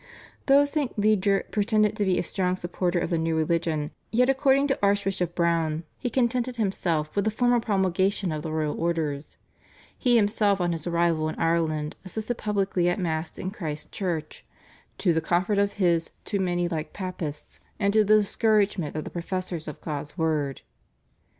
" Though St. Leger pretended to be a strong supporter of the new religion, yet, according to Archbishop Browne, he contented himself with the formal promulgation of the royal orders. He himself on his arrival in Ireland assisted publicly at Mass in Christ's Church, "to the comfort of his too many like Papists, and to the discouragement of the professors of God's word."